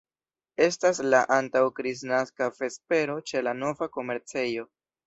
Estas la antaŭ-Kristnaska vespero ĉe la nova komercejo.